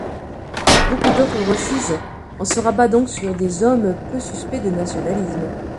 Beaucoup d'autres refusent, on se rabat donc sur des hommes peu suspects de nationalisme.